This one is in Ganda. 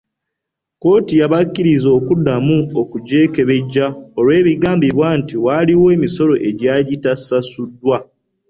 Kkooti yabakkiriza okuddamu okugyekebejja olw’ebigambibwa nti waliwo emisolo egyali gitasasuddwa.